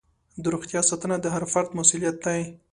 د روغتیا ساتنه د هر فرد مسؤلیت دی.